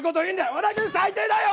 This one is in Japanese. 和田君最低だよ！